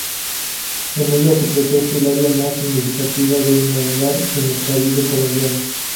En ella se protege el área más significativa de manglar en el caribe colombiano.